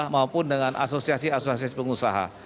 maupun dengan asosiasi asosiasi pengusaha